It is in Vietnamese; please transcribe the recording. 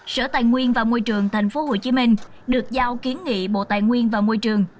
sở tài nguyên và môi trường tp hcm được giao kiến nghị bộ tài nguyên và môi trường